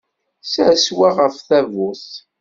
Ssers wa ɣef tdabut.